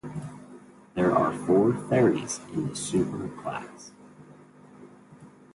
There are four ferries in the Super class.